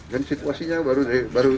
dan situasinya baru dari baru berakhir